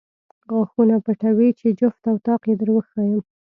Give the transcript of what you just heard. غاښونه پټوې چې جفت او طاق یې در وښایم.